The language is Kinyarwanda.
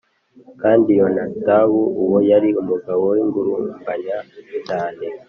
kandi Yonadabu uwo yari umugabo w’ingurumbanya cyane.